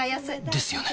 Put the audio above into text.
ですよね